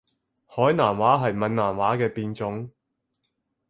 海南話係閩南話嘅變種